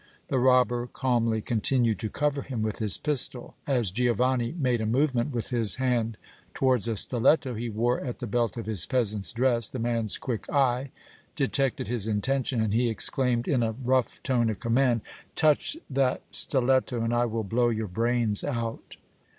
The robber calmly continued to cover him with his pistol; as Giovanni made a movement with his hand towards a stiletto he wore at the belt of his peasant's dress, the man's quick eye detected his intention and he exclaimed, in a rough tone of command: "Touch that stiletto and I will blow your brains out!"